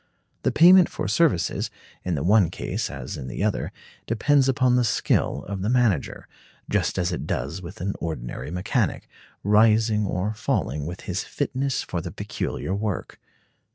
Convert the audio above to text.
The payment for services, in the one case as in the other, depends upon the skill of the manager, just as it does with an ordinary mechanic, rising or falling with his fitness for the peculiar work.